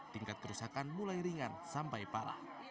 tingkat kerusakan mulai ringan sampai parah